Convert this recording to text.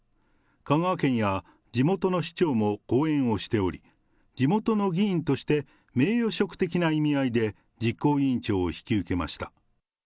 香川県や地元の市町も後援をしており、地元の議員として名誉職的な意味合いで実行委員長を引き受けました。